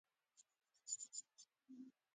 ځکه دې مقام ته یوازې یو کس غوره کېده